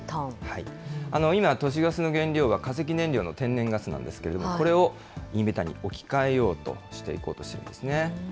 今、都市ガスの原料は、化石燃料の天然ガスなんですけれども、これをイーメタンに置き換えようとしていこうとしているんですね。